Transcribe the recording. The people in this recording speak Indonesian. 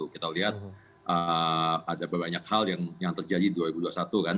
kita lihat ada banyak hal yang terjadi di dua ribu dua puluh satu kan